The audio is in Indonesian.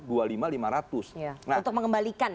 untuk mengembalikan ya